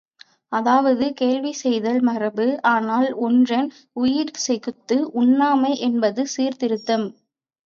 அதாவது வேள்வி செய்தல் மரபு, ஆனால், ஒன்றன் உயிர்செகுத்து உண்ணாமை என்பது சீர்திருத்தம்.